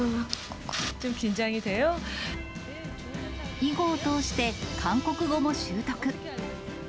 囲碁を通して、韓国語も習得。